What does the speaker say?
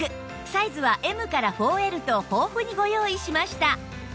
サイズは Ｍ から ４Ｌ と豊富にご用意しました